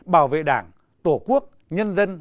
bảo vệ đảng tổ quốc nhân dân